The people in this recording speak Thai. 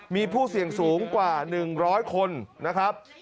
มีผู้เสี่ยงสูงกว่า๑๐๐คนนะครับ